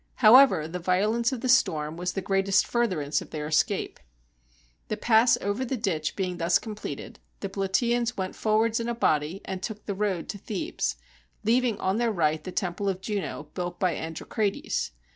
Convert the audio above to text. However, the violence of the storm was the greatest furtherance of their escape. The pass over the ditch being thus completed, the Plataeans went forwards in a body, and took the road to Thebes, leaving on their right the temple of Juno, built by Androcrates.